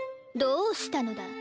どうしたのだ？